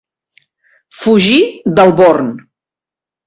Fugir del born.